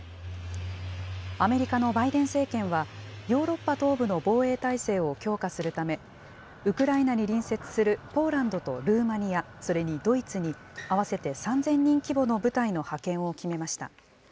アメリカのバイデン政権は、ヨーロッパ東部の防衛態勢を強化するため、ウクライナに隣接するポーランドとルーマニア、それにドイツに、合わせて３０００人規模の部隊の派遣を決めました。